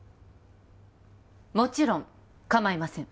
もちろん構いません